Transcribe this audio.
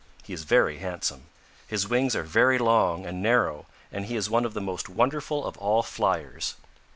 He is very handsome. His wings are very long and narrow and he is one of the most wonderful of all fliers.